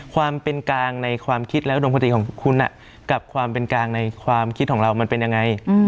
ความเป็นกลางในความคิดและอุดมคติของคุณกับความเป็นกลางในความคิดของเรามันเป็นยังไง